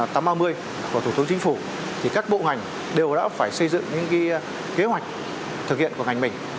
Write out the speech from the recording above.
thực hiện quyết định tám trăm ba mươi của thủ tướng chính phủ các bộ ngành đều đã phải xây dựng những kế hoạch thực hiện của ngành mình